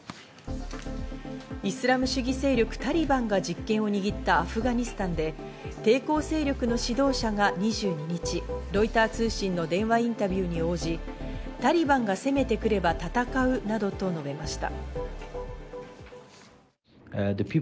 イスラム主義勢力・タリバンが実権を握ったアフガニスタンで抵抗勢力の指導者が２２日、ロイター通信の電話インタビューに応じ、タリバンが攻めてくれば戦うなどと述べました。